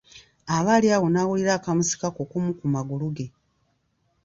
Aba ali awo n'awulira akamusika ku kumu ku magulu ge.